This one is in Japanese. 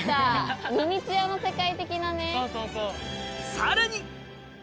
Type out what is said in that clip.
さらに！